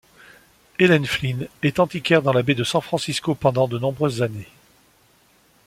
Elaine Flinn est antiquaire dans la baie de San Francisco pendant de nombreuses années.